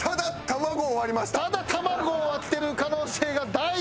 ただ卵を割ってる可能性が大です。